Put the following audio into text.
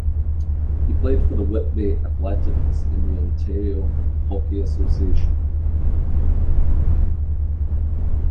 He played for the Whitby Athletics in the Ontario Hockey Association.